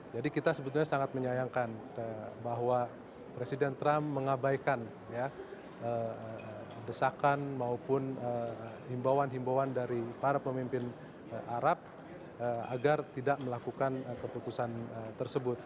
jadi kita sebetulnya sangat menyayangkan bahwa presiden trump mengabaikan desakan maupun himbauan himbauan dari para pemimpin arab agar tidak melakukan keputusan tersebut